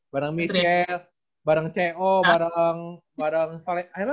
bareng michelle bareng co bareng valencia ya siapa